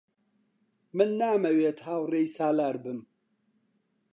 من نامەوێت هاوڕێی سالار بم.